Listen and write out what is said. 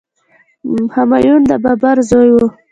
همایون د بابر زوی و.